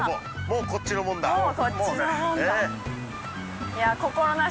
もうこっちのもんだねえ